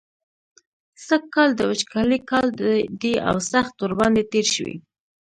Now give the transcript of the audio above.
سږکال د وچکالۍ کال دی او سخت ورباندې تېر شوی.